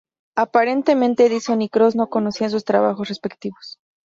Aparentemente Edison y Cros no conocían sus trabajos respectivos.